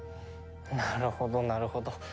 なるほどなるほど。